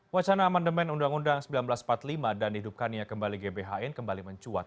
wacana amandemen undang undang seribu sembilan ratus empat puluh lima dan dihidupkannya kembali gbhn kembali mencuat